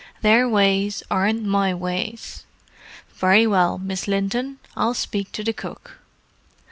"Their ways aren't my ways. Very well, Miss Linton. I'll speak to the cook."